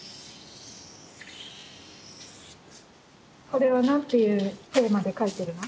これは何ていうテーマで描いてるの？